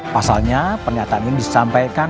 pasalnya pernyataan ini disampaikan